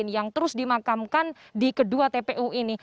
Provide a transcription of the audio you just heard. yang terus dimakamkan di kedua tpu ini